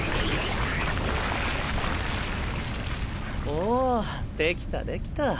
おおできたできた。